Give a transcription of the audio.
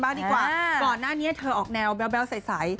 ไบลก่อนหน้านี้แนวแบบไซด์